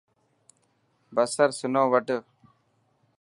بصر سنو وڌ.